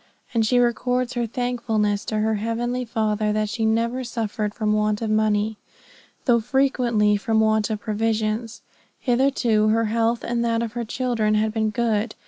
And she records her thankfulness to her Heavenly Father that she never suffered from want of money, though frequently from want of provisions. Hitherto her health and that of her children had been good.